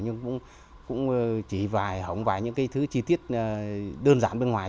nhưng cũng chỉ vài hổng vài những cái thứ chi tiết đơn giản bên ngoài